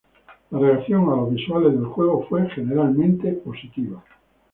La reacción a los visuales del juego fue generalmente positiva.